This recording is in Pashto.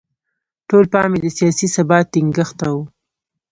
ټول پام یې د سیاسي ثبات ټینګښت ته و.